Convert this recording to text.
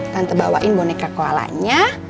tante bawain boneka koalanya